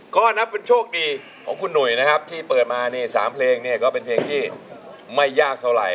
ก็นับเป็นโชคดีของคุณหนุ่ยนะครับที่เปิดมานี่๓เพลงเนี่ยก็เป็นเพลงที่ไม่ยากเท่าไหร่